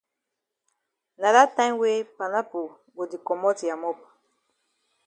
Na dat time wey panapo go di komot ya mop.